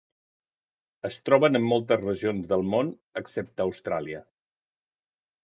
Es troben en moltes regions del món excepte Austràlia.